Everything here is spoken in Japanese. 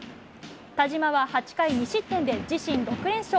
田嶋は８回２失点で自身６連勝。